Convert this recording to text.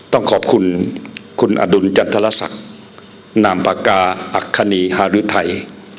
ต้องขอบคุณคุณอดุลจันทรศักดิ์นามปากกาอัคคณีฮารุทัย